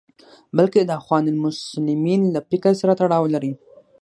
بلکې د اخوان المسلمین له فکر سره تړاو لري.